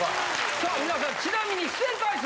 さあ皆さんちなみに出演回数